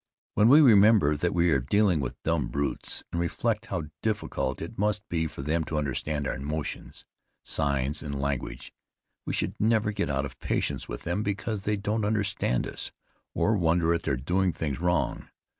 When we remember that we are dealing with dumb brutes, and reflect how difficult it must be for them to understand our motions, signs and language, we should never get out of patience with them because they don't understand us, or wonder at their doing things wrong.